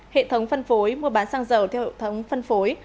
hệ thống phân phối mua bán xăng dầu theo hệ thống phân phối